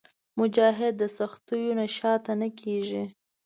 مجاهد د سختیو نه شاته نه کېږي.